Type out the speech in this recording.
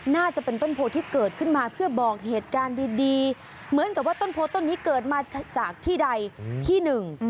น่าจะเป็นต้นโพที่เกิดขึ้นมาเพื่อบอกเหตุการณ์ดีเหมือนกับว่าต้นโพต้นนี้เกิดมาจากที่ใดที่หนึ่ง